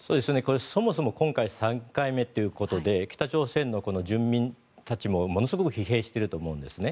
そもそも今回３回目ということで北朝鮮の人民たちもものすごく疲弊していると思うんですね。